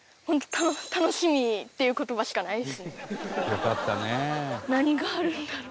「よかったね」